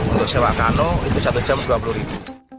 untuk sewa kano itu satu jam dua puluh ribu